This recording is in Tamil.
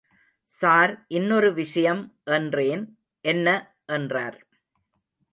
சார் இன்னொரு விஷயம் என்றேன் என்ன? என்றார்.